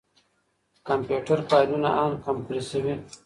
کمپيوټر فايلونه اَنکمپرېسوي.